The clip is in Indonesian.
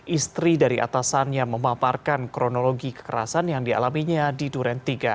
istri dari atasannya memaparkan kronologi kekerasan yang dialaminya di duren tiga